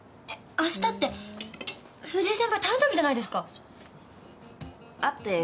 あしたって藤井先輩誕生日じゃないですか。